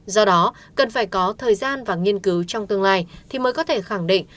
do đó cần phải có thời gian và nghiên cứu trong tương lai thì mới có thể khẳng định